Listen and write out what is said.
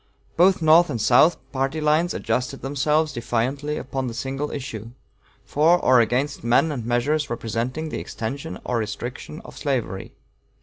Both North and South, party lines adjusted themselves defiantly upon the single issue, for or against men and measures representing the extension or restriction of slavery.